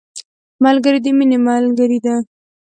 ملګری د مینې ملګری دی